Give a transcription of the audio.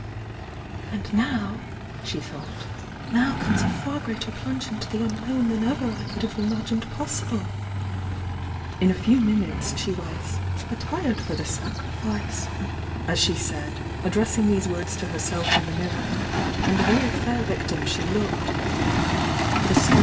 ^""^ "And now" sho thouKht^"Now comes a far Breater plunge mto the unknown than ever I could nave imagmed possible!" ficJ" t/th '"".'"t^s she was "attired for the sacri fice as she said, addrp img these words to herself m the mirror, and a y fair victim she looked nlJ^fj, J?